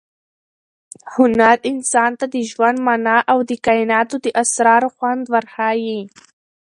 هنر انسان ته د ژوند مانا او د کائناتو د اسرارو خوند ورښيي.